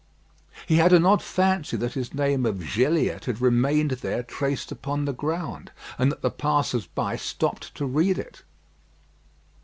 He had an odd fancy that his name of "Gilliatt" had remained there traced upon the ground, and that the passers by stopped to read it.